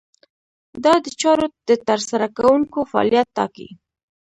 دا د چارو د ترسره کوونکو فعالیت ټاکي.